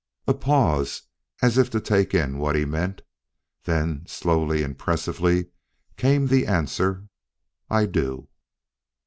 A pause, as if to take in what he meant. Then slowly, impressively, came the answer: "I do."